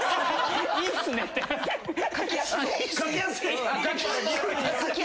書きやすい。